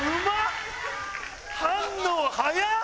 反応早っ！